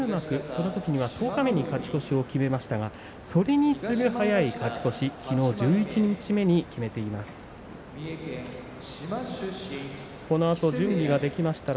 そのときには十日目に勝ち越しを決めましたがそれに次ぐ早い勝ち越しきのう十一日目に決めました。